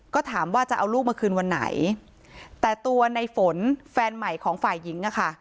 ก็ถามว่าจะเอาลูกมาคืนวันไหนแต่ตัวในฝนแฟนใหม่ของฝ่ายหญิงอะค่ะ